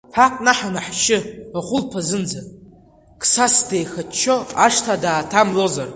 Ҳакнаҳаны ҳшьы ахәылԥазынӡа, Қсас деихаччо ашҭа дааҭамлозар!